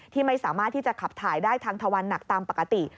ไม่สามารถที่จะขับถ่ายได้ทางทะวันหนักตามปกติ